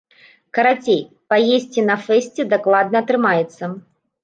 Карацей, паесці на фэсце дакладна атрымаецца.